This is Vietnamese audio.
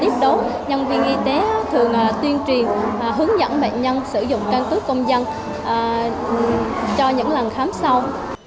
căn cứ công dân cho những lần khám sau